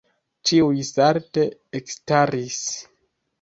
Ĉiuj salte ekstaris.